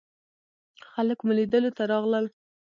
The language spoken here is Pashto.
خلک مو لیدلو ته راغلل.